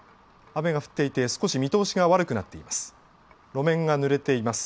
雨が降っていて少し見通しが悪くなっています。